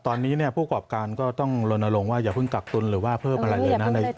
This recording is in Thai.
ตอนนี้ผู้กรอบการก็ต้องลนลงว่าอย่าเพิ่งกักตุลหรือว่าเพิ่มอะไรเลยนะ